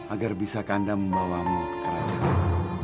agar bisa kanda membawamu ke kerajaan